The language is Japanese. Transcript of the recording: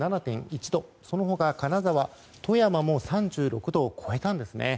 その他、金沢、富山も３６度を超えたんですね。